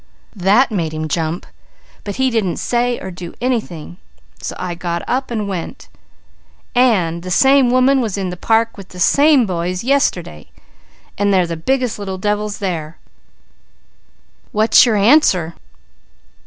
"That made him jump, but he didn't say or do anything, so I got up and went and the same woman was in the park with the same boys yesterday, and they're the biggest little devils there. What's the answer?"